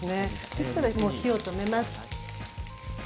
そしたらもう火を止めます。